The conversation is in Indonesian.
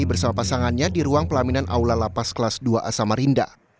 bersama pasangannya di ruang pelaminan aula lapas kelas dua a samarinda